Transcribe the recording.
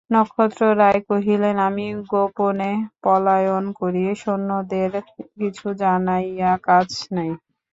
নক্ষত্ররায় কহিলেন, আমি গোপনে পলায়ন করি, সৈন্যদের কিছু জানাইয়া কাজ নাই।